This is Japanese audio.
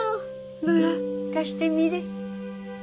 どら貸してみれ